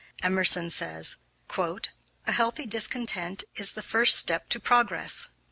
Emerson says, "A healthy discontent is the first step to progress."